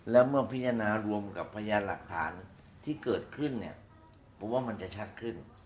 แล้วเมื่อพิจารณารวมกับพยานหลักฐานที่เกิดขึ้นเนี่ยผมว่ามันจะชัดขึ้น